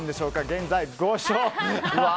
現在５勝。